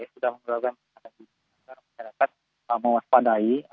sudah mengatakan agar masyarakat mewaspadai